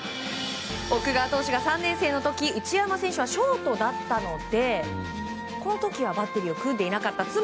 奥川投手が３年生の時内山選手はショートだったのでこの時はバッテリーを組んでいなかった。